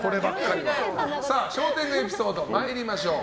小天狗エピソード参りましょう。